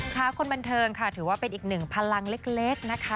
ค่ะคนบันเทิงค่ะถือว่าเป็นอีกหนึ่งพลังเล็กนะคะ